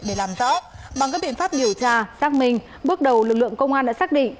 để làm rõ bằng các biện pháp điều tra xác minh bước đầu lực lượng công an đã xác định